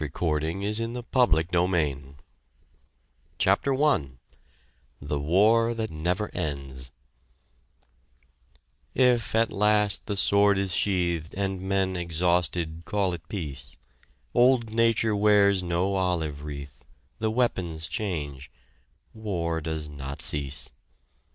THE WAR AGAINST GLOOM IN TIMES LIKE THESE CHAPTER I THE WAR THAT NEVER ENDS If, at last the sword is sheathed, And men, exhausted, call it peace, Old Nature wears no olive wreath, The weapons change war does not cease.